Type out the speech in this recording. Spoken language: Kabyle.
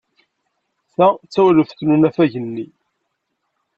Ta d tawlaft n unafag-nni.